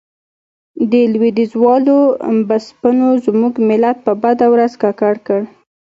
د لوېديځوالو بسپنو زموږ ملت په بده ورځ ککړ کړ.